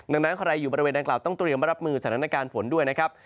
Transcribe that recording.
ดังนั้นใครอยู่บริเวณดังกล่าวต้องเตรียมรับมือสถานการณ์ฝนด้วยนะครับ